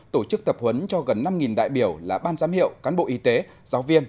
tổ chức tập huấn cho gần năm đại biểu là ban giám hiệu cán bộ y tế giáo viên